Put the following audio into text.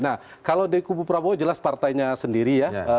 nah kalau di kubu prabowo jelas partainya sendiri ya